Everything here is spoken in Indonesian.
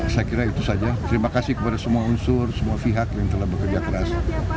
saya kira itu saja terima kasih kepada semua unsur semua pihak yang telah bekerja keras